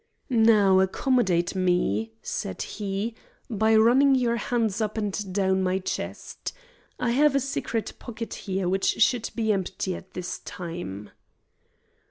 "Now accommodate me," said he, "by running your hands up and down my chest. I have a secret pocket there which should be empty at this time."